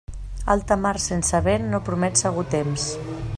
Alta mar sense vent, no promet segur temps.